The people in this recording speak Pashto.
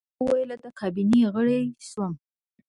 ما ورته وویل: د کابینې غړی شوم.